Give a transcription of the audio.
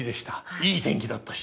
いい天気だったし。